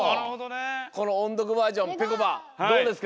このおんどくバージョンぺこぱどうですか？